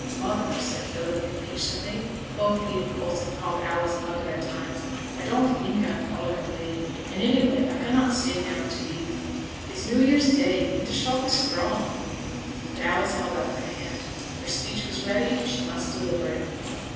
'Mother,' said Philip, impatiently (both he and Coulson called Alice 'mother' at times), 'I don't think I am fallen away, and any way I cannot stay now to be it's new year's Day, and t' shop is throng.' But Alice held up her hand. Her speech was ready, and she must deliver it.